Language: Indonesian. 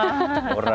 satu lagi murah lagi